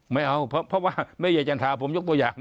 ไม่เอาเพราะว่าแม่ยายจันทราผมยกตัวอย่าง